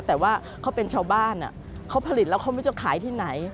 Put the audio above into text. แต่ว่าเขาเป็นชาวบ้านเขาผลิตแล้วเขาไม่รู้จะขายที่ไหน